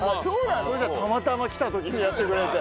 それでたまたま来た時にやってくれて。